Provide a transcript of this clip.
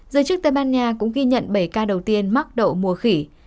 giới chức tây ban nha cũng ghi nhận bảy ca đầu tiên mắc đậu mùa khỉ